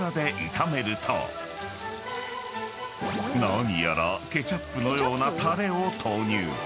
［何やらケチャップのようなタレを投入］